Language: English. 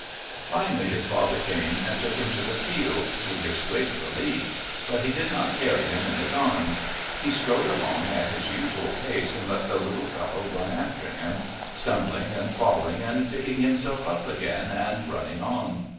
Finally his father came and took him to the field, to his great relief; but he did not carry him in his arms; he strode along at his usual pace and let the little fellow run after him, stumbling and falling and picking himself up again and running on.